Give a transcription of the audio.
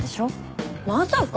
まさか。